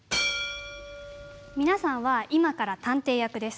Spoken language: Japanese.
皆さんは今から探偵役です。